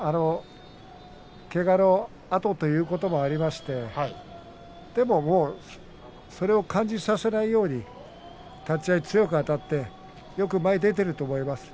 けがのあとということもありましてでも、それを感じさせないように立ち合い強くあたってよく前に出ていると思います。